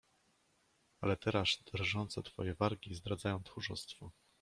"Ale teraz drżące twoje wargi zdradzają tchórzostwo."